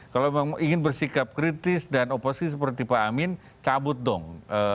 kalau memang ingin bersikap kritis dan oposisi seperti pak amin cabut dong